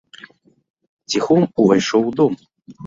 Ціхом увайшоў у дом.